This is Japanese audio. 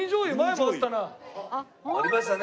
ありましたね。